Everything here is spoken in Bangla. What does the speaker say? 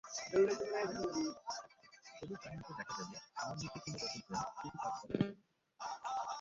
ছবির কাহিনিতে দেখা যাবে, আমার মধ্যে কোনো রকম প্রেম-প্রীতি কাজ করে না।